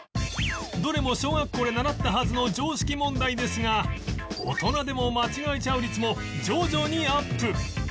どれも小学校で習ったはずの常識問題ですが大人でも間違えちゃう率も徐々にアップ